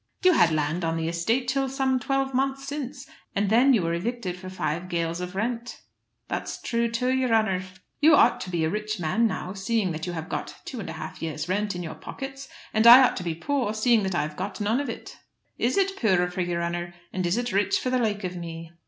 "You had land on the estate till some twelve months since, and then you were evicted for five gales of rent." "That's thrue, too, yer honour." "You ought to be a rich man now, seeing that you have got two and a half years' rent in your pocket, and I ought to be poor, seeing that I've got none of it." "Is it puir for yer honour, and is it rich for the like of me?"